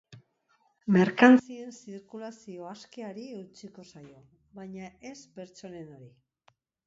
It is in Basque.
Merkantzien zirkulazio askeari eutsiko zaio, baino ez pertsonenari.